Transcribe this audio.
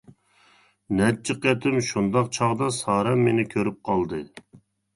نەچچە قېتىم شۇنداق چاغدا سارەم مېنى كۆرۈپ قالدى.